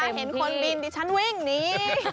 แต่ถ้าเห็นคนบินดิฉันวิ่งนี้